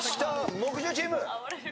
木１０チーム。